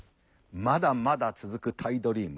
まだまだ続くタイドリーム。